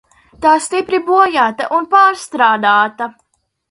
Tā stipri bojāta un pārstrādāta.